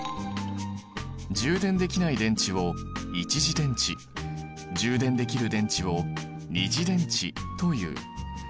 充電できない電池を一次電池充電できる電池を二次電池という。